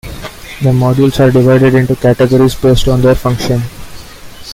The Modules are divided into categories, based on their function.